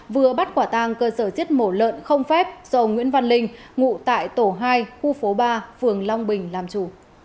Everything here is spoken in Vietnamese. vừa bắt quả tang cơ sở giết mổ lợn không phép do nguyễn văn linh ngụ tại tổ hai khu phố ba phường long bình làm chủ